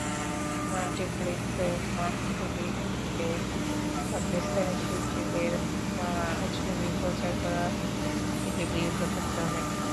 মাল্টিপ্লেক্সের মালিকদের পাকিস্তানি শিল্পীদের ছবি প্রচার করা থেকে বিরত থাকতে হবে।